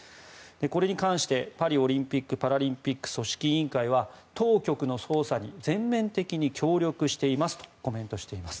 これに関してパリオリンピック・パラリンピック組織委員会は当局の捜査に全面的に協力していますとコメントしています。